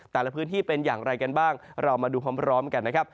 แต่ละพื้นที่เป็นอย่างไรกันบ้างเรามาดูพร้อมกันนะครับ